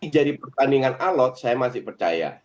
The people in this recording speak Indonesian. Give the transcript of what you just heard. jadi pertandingan alat saya masih percaya